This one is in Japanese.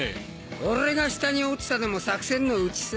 俺が下に落ちたのも作戦のうちさ。